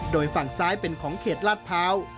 โดยฝั่งซ้ายเป็นของเขตลาดพร้าว